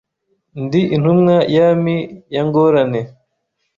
Ndi intumwa y’ami ya Ngorane